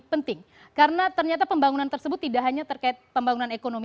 penting karena ternyata pembangunan tersebut tidak hanya terkait pembangunan ekonomi